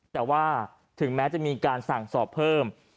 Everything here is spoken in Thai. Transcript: แต่ว่าถึงแม้จะมีการสั่งสอบเพิ่ม